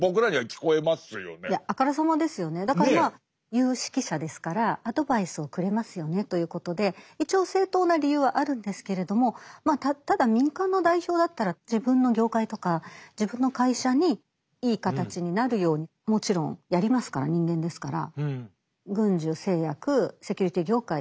「有識者」ですからアドバイスをくれますよねということで一応正当な理由はあるんですけれどもただ民間の代表だったら自分の業界とか自分の会社にいい形になるようにもちろんやりますから人間ですから軍需製薬セキュリティ業界。